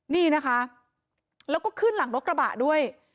นี่นะคะแล้วก็ขึ้นหลังรถกระบะด้วย